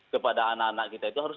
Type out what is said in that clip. kepada anak anak kita itu harus